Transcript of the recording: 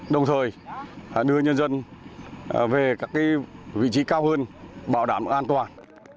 đồng thời đưa nhân dân về các vị trí cao hơn bảo đảm an toàn